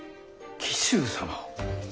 紀州様を？